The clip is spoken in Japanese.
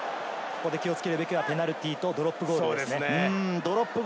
気をつけるべきはペナルティーとドロップゴールです。